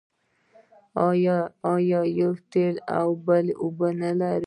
آیا یوه تېل او بل اوبه نلري؟